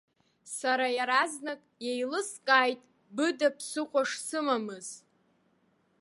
Сара иаразнак иеилыскааит быда ԥсыхәа шсымамыз.